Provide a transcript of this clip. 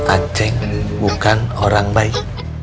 aceng bukan orang baik